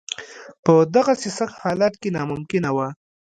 په دغسې سخت حالت کې ناممکنه وه.